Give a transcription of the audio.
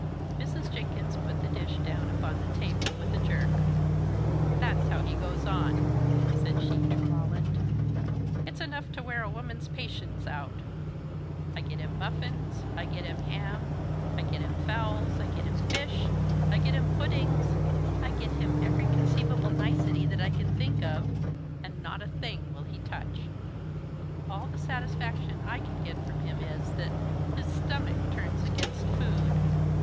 Mrs. Jenkins put the dish down upon the table with a jerk. "That's how he goes on," said she to Roland. "It's enough to wear a woman's patience out! I get him muffins, I get him ham, I get him fowls, I get him fish, I get him puddings, I get him every conceivable nicety that I can think of, and not a thing will he touch. All the satisfaction I can get from him is, that 'his stomach turns against food!